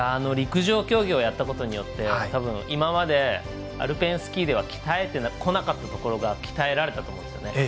陸上競技をやったことによってたぶん今までアルペンスキーでは鍛えてこなかったところが鍛えられたと思うんですよね。